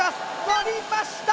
のりました。